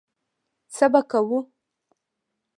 څه به کوو.